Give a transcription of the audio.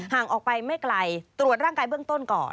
ห่างออกไปไม่ไกลตรวจร่างกายเบื้องต้นก่อน